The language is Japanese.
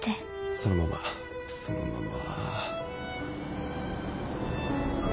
そのままそのまま。